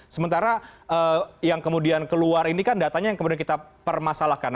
sementara yang kemudian keluar ini kan datanya yang kemudian kita permasalahkan